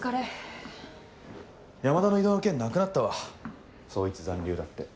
山田の異動の件なくなったわ捜一残留だって。